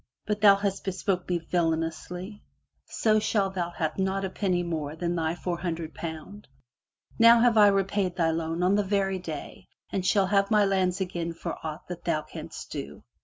But thou hast bespoke me villainously, so shalt thou have not a penny more but thy four hundred pound. Now have I repaid thy loan on the very day and shall have my lands again for aught that thou canst do!"